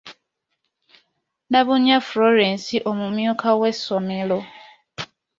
Nabunnya Florence omumyuka w'essomero.